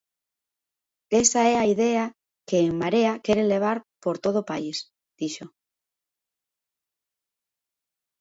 "Esa é a idea que En Marea quere levar por todo o país", dixo.